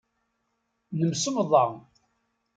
Nemsebḍa.